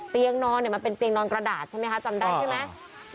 เตียงนอนเนี่ยมันเป็นเตียงนอนกระดาษใช่ไหมคะจำได้ใช่ไหม